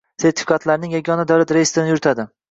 sertifikatlarining yagona davlat reyestrini yuritadi